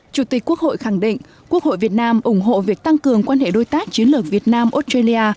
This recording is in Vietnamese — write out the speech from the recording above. chủ tịch quốc hội khẳng định quốc hội việt nam ủng hộ việc tăng cường quan hệ đối tác chiến lược việt nam australia